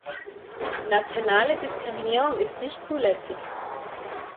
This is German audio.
Nationale Diskriminierung ist nicht zulässig.